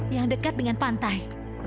yang dekat dengan pantai